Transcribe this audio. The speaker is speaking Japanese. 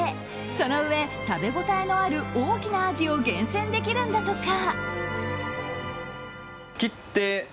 そのうえ、食べ応えのある大きなアジを厳選できるんだとか。